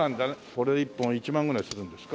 これ１本１万ぐらいするんですか？